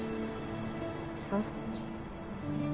そう。